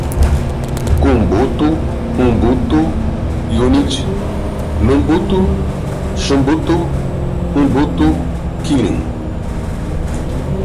kubuntu, ubuntu unity, lubuntu, xubuntu, ubuntu kylin